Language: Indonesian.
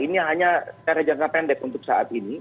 ini hanya secara jangka pendek untuk saat ini